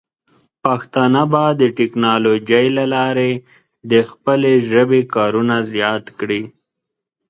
پښتانه به د ټیکنالوجۍ له لارې د خپلې ژبې کارونه زیات کړي.